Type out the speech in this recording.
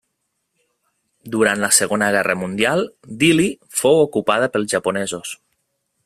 Durant la Segona Guerra Mundial, Dili fou ocupada pels japonesos.